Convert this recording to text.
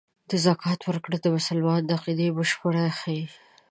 د زکات ورکړه د مسلمان د عقیدې بشپړتیا ښيي.